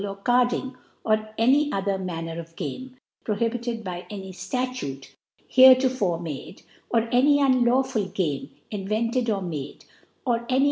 Tablc, * or Carding, or any other Manner of Ganie *. prohibtted^by any Sutute heretofore made, < or >any< unlawful Game invented or made, ,or Any.